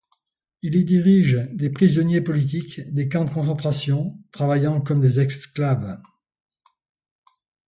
Il y dirige des prisonniers politiques des camps de concentration travaillant comme des esclaves.